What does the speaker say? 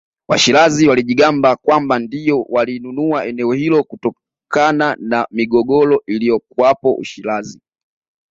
Washirazi walijigamba kwamba ndio walinunua eneo hilo kutokana na migogoro iliyokuwapo Ushirazi